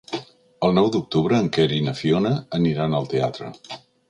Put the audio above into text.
El nou d'octubre en Quer i na Fiona aniran al teatre.